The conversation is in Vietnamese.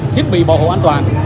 thiết bị bảo hộ an toàn